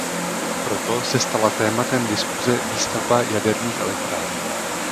Proto se stala tématem diskuse výstavba jaderných elektráren.